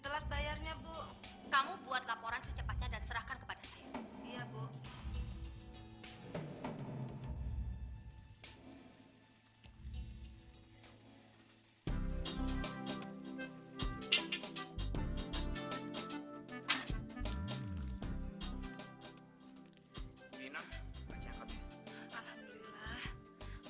telat bayarnya bu kamu buat laporan secepatnya dan serahkan kepada saya iya bu